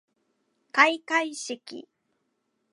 かいかいしき